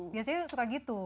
biasanya suka gitu